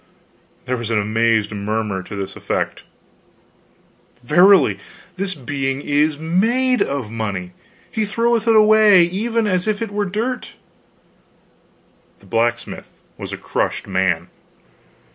There was an amazed murmur to this effect: "Verily this being is made of money! He throweth it away even as if it were dirt." The blacksmith was a crushed man.